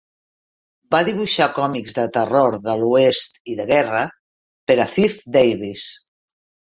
Va dibuixar còmics de terror, de l'Oest i de guerra per a Ziff-Davis.